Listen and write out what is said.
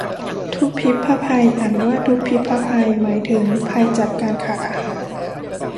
ทุพภิพภัย อ่านว่าทุบพิบพะไพ หมายถึงภัยจาการขาดอาหาร